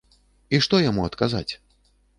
І што яму адказаць?